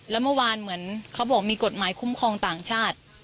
แล้วเมื่อวานเหมือนเขาบอกมีกฎหมายคุ้มครองต่างชาติ